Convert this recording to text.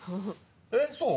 えっそう？